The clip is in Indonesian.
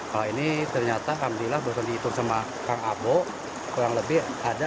kalau ini ternyata alhamdulillah baru dihitung sama kang abo kurang lebih ada